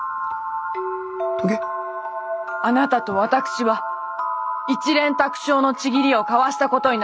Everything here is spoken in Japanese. あなたと私は一蓮托生の契りを交わしたことになります。